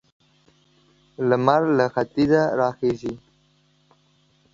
لمر له ختيځه را خيژي.